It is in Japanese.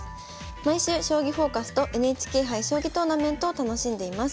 「毎週『将棋フォーカス』と『ＮＨＫ杯将棋トーナメント』を楽しんでいます。